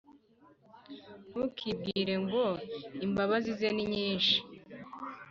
Ntukibwire ngo «Imbabazi ze ni nyinshi,